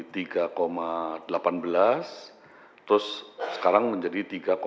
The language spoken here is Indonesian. terus sekarang menjadi tiga dua puluh dua